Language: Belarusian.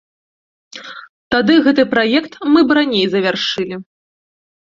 Тады гэты праект мы б раней завяршылі.